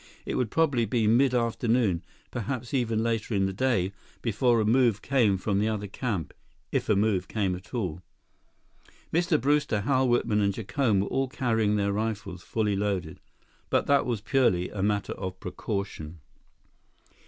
It would probably be mid afternoon, perhaps even later in the day, before a move came from the other camp—if a move came at all. Mr. Brewster, Hal Whitman, and Jacome were all carrying their rifles, fully loaded, but that was purely a matter of precaution.